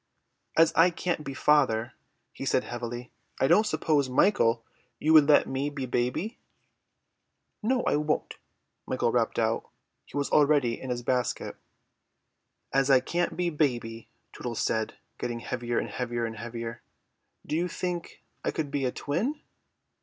"As I can't be father," he said heavily, "I don't suppose, Michael, you would let me be baby?" "No, I won't," Michael rapped out. He was already in his basket. "As I can't be baby," Tootles said, getting heavier and heavier and heavier, "do you think I could be a twin?"